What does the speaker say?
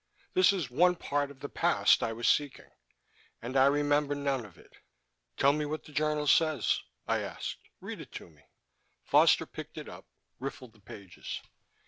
This is one part of the past I was seeking. And I remember none of it...." "Tell me what the journal says," I asked. "Read it to me." Foster picked it up, riffled the pages.